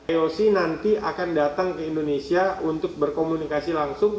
aoc nanti akan datang ke indonesia untuk berkomunikasi langsung